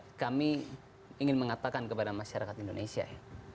ini saya ingin mengatakan kepada masyarakat indonesia ya